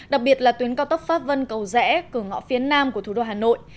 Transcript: đặc biệt là tuyến cao tốc pháp vân cầu rẽ cửa ngõ phía nam của thủ đô hà nội